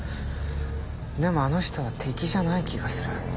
でもあの人は敵じゃない気がする。